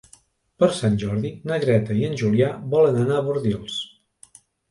Per Sant Jordi na Greta i en Julià volen anar a Bordils.